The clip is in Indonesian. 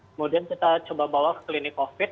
kemudian kita coba bawa ke klinik covid sembilan belas